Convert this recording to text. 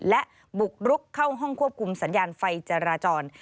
และบุกรุกเข้าห้องควบคุมสัญญาณไฟจราจร